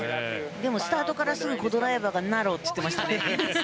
でもスタートからすぐコ・ドライバーがナローと言っていましたね。